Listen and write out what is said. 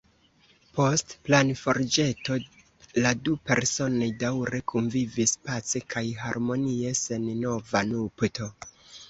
Post planforĵeto la du personoj daŭre kunvivis pace kaj harmonie sen nova nupto.